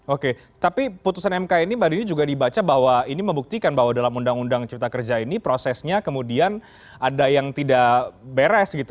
oke tapi putusan mk ini mbak adini juga dibaca bahwa ini membuktikan bahwa dalam uu ck ini prosesnya kemudian ada yang tidak beres gitu